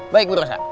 baik bu rosa